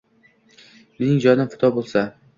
Mening jonim fido bo’lsa